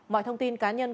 mọi thông tin cá nhân